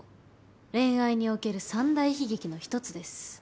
恋愛における三大悲劇の１つです。